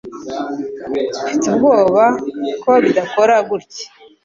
Mfite ubwoba ko bidakora gutya